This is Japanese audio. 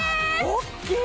おっきい！